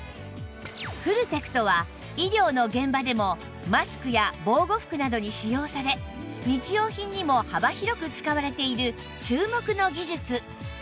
フルテクトは医療の現場でもマスクや防護服などに使用され日用品にも幅広く使われている注目の技術